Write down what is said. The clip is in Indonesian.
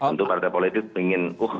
untuk partai politik ingin